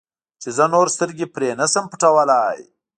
چې زه نور سترګې پرې نه شم پټولی.